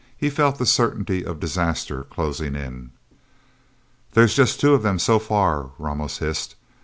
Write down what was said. He felt the certainty of disaster closing in. "There's just two of them so far," Ramos hissed.